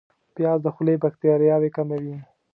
پیاز د خولې باکتریاوې کموي